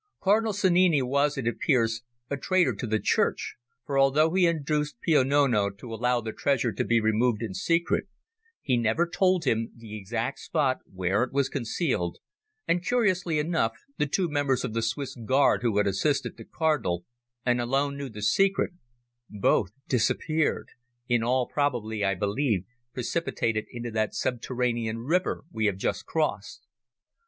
Cardinal Sannini was, it appears, a traitor to the Church, for although he induced Pio Nono to allow the treasure to be removed in secret, he never told him the exact spot where it was concealed, and curiously enough the two members of the Swiss Guard who had assisted the Cardinal, and alone knew the secret, both disappeared in all probability, I believe, precipitated into that subterranean river we have just crossed.